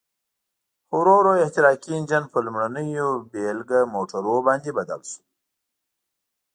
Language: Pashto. خو ورو ورو احتراقي انجن په لومړنیو بېلګه موټرونو باندې بدل شو.